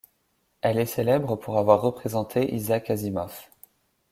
Elle est célèbre pour avoir représenté Isaac Asimov.